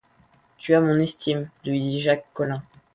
Tu as mon estime, lui dit Jacques Collin.